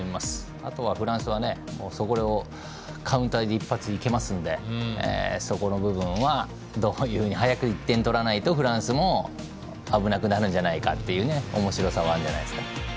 あとはフランスはそれをカウンターで一発いけますんで、そこの部分は早く１点取らないとフランスも危なくなるんじゃないかというおもしろさはあるんじゃないですか。